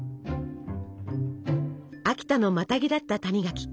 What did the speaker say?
秋田のマタギだった谷垣。